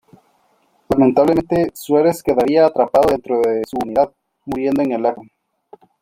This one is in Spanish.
Lamentablemente, Suárez quedaría atrapado dentro de su unidad, muriendo en el acto.